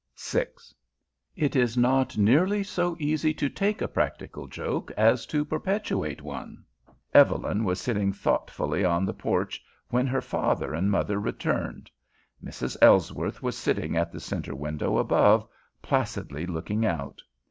VI It is not nearly so easy to take a practical joke as to perpetrate one. Evelyn was sitting thoughtfully on the porch when her father and mother returned. Mrs. Ellsworth was sitting at the center window above, placidly looking out.